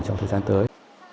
trong thời gian tới